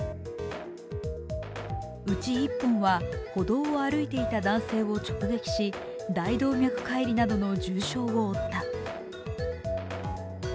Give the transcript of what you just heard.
うち１本は、歩道を歩いていた男性を直撃し大動脈解離などの重傷を負った。